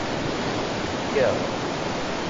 Ttekkaɣ.